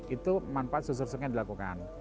itu manfaat susur sungai dilakukan